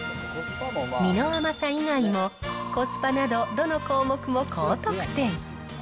実の甘さ以外もコスパなど、どの項目も高得点。